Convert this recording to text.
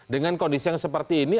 dengan kondisi yang seperti ini